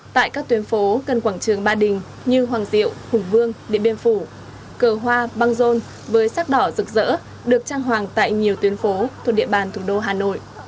tại các tuyến phố gần quảng trường ba đình như hoàng diệu hùng vương điện biên phủ cờ hoa băng rôn với sắc đỏ rực rỡ được trang hoàng tại nhiều tuyến phố thuộc địa bàn thủ đô hà nội